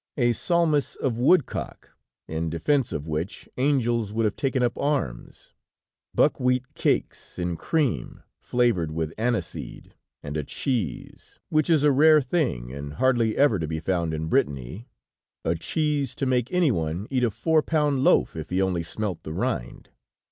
A salmis of woodcock, in defense of which angels would have taken up arms; buckwheat cakes, in cream, flavored with aniseed, and a cheese, which is a rare thing and hardly ever to be found in Brittany, a cheese to make any one eat a four pound loaf if he only smelt the rind!